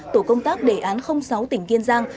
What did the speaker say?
tổ công tác đề án sáu tỉnh kiên giang